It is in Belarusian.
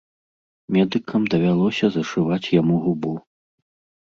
Медыкам давялося зашываць яму губу.